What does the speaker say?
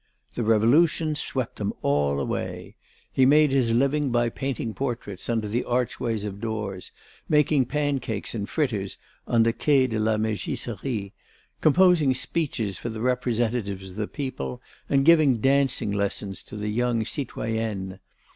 The Revolution swept them all away. He made his living by painting portraits under the archways of doors, making pancakes and fritters on the Quai de la Mégisserie, composing speeches for the representatives of the people and giving dancing lessons to the young citoyennes.